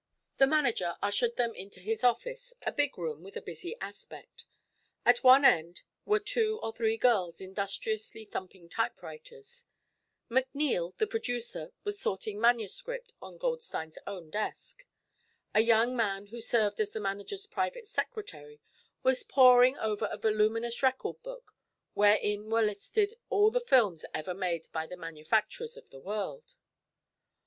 The manager ushered them into his office, a big room with a busy aspect. At one end were two or three girls industriously thumping typewriters; McNeil, the producer, was sorting manuscript on Goldstein's own desk; a young man who served as the manager's private secretary was poring over a voluminous record book, wherein were listed all the films ever made by the manufacturers of the world.